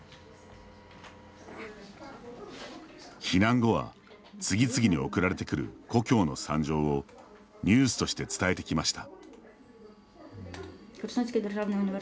避難後は次々に送られてくる故郷の惨状をニュースとして伝えてきました。